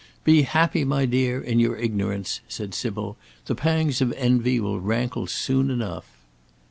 "Be happy, my dear, in your ignorance!" said Sybil; "the pangs of envy will rankle soon enough."